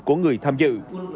của người tham dự